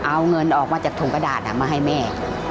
เอาเงินออกมาจากถุงกระดาษมาให้แม่